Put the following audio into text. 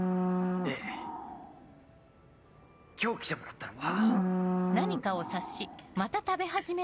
で今日来てもらったのは。